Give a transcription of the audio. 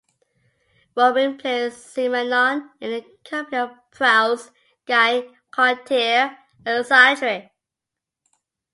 'Rorem placed Simenon in the company of Proust, Gide, Cocteau and Sartre.